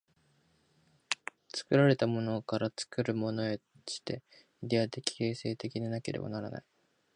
作られたものから作るものへとして、イデヤ的形成的でなければならない。